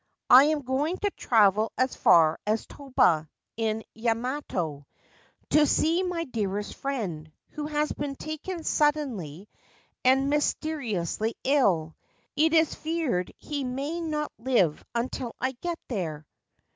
I am going to travel as far as Toba, in Yamato, to see my dearest friend, who has been taken suddenly and mysteriously ill. It is feared he may not live until I get there